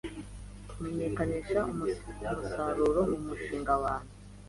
kumenyekanisha umusaruro mu mushinga wanjye